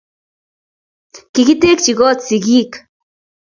Kigitekchi koot sigiik